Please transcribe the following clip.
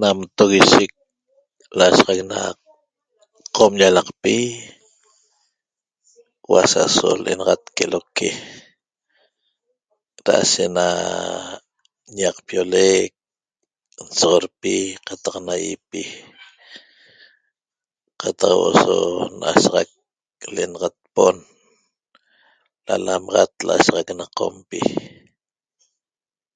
Nam toguishec lashaxac na qom llalaqpi huaq asa'aso l'enaxat queloque da'ashe na ñaqpiolec nsoxotpi qataq na yipi qataq huo'o so nashaxac l'enaxat npon da lamaxat lashaxac na qompi